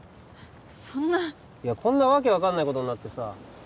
そんないやこんな訳分かんないことになってさ